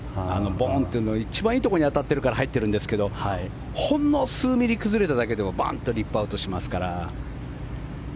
ボーンというの一番いいところに当たってるから入ってるんですけどほんの数ミリ崩れただけでもバンとリップアウトしますから。